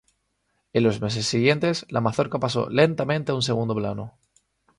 En los meses siguientes, la Mazorca pasó lentamente a un segundo plano.